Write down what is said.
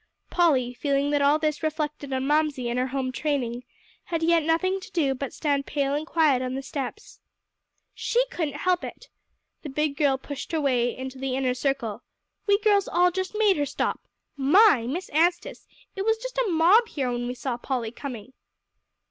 Polly, feeling that all this reflected on Mamsie and her home training, had yet nothing to do but to stand pale and quiet on the steps. "She couldn't help it." The big girl pushed her way into the inner circle. "We girls all just made her stop. My! Miss Anstice, it was just a mob here when we saw Polly coming."